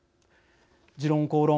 「時論公論」